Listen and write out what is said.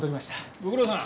ご苦労さん。